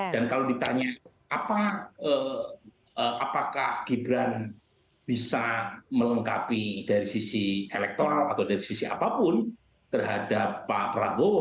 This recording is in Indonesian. dan kalau ditanya apakah gibran bisa melengkapi dari sisi elektoral atau dari sisi apapun terhadap pak prabowo